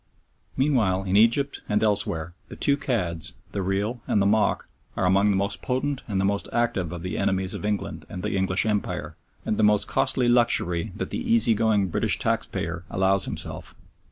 Meanwhile, in Egypt and elsewhere, the two cads, the real and the mock, are among the most potent and the most active of the enemies of England and the English Empire, and the most costly luxury that the easy going British taxpayer allows himself.